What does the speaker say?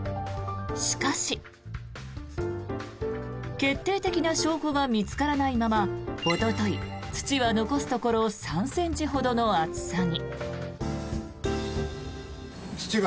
しかし決定的な証拠が見つからないままおととい、土は残すところ３ｃｍほどの厚さに。